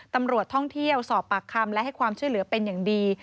ตำรวจท่องเที่ยวสอบปากคำและให้ความช่วยเหลือเป็นอย่างดี